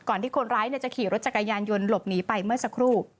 ที่คนร้ายจะขี่รถจักรยานยนต์หลบหนีไปเมื่อสักครู่